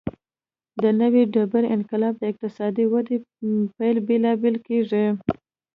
د نوې ډبرې انقلاب د اقتصادي ودې پیل بلل کېږي.